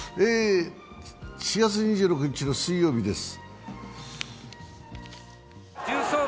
４月２６日の水曜日です。